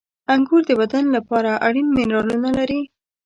• انګور د بدن لپاره اړین منرالونه لري.